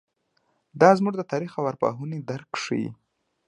دا زموږ د تاریخ او ارواپوهنې درک ښيي.